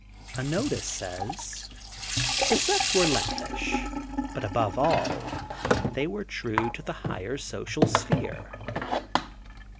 A notice says: "The sets were lavish, but above all, they were true to the higher social sphere."